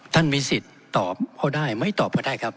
มีสิทธิ์ตอบก็ได้ไม่ตอบก็ได้ครับ